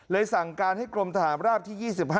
สั่งการให้กรมทหารราบที่๒๕